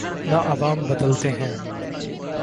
نہ عوام بدلتے ہیں۔